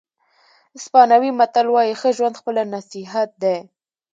اسپانوي متل وایي ښه ژوند خپله نصیحت دی.